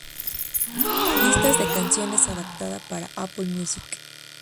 Lista de canciones adaptada para Apple Music.